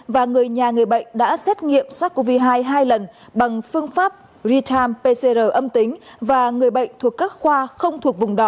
và người nhà người bệnh đã xét nghiệm sars cov hai hai lần bằng phương pháp real time pcr âm tính và người bệnh thuộc các khoa không thuộc vùng đỏ